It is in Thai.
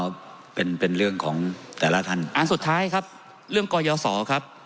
ก็เป็นเป็นเรื่องของแต่ละท่านอันสุดท้ายครับเรื่องกรยศรครับ